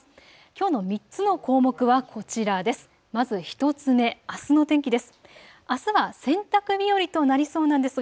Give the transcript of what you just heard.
きょうの３つの項目はこちらです。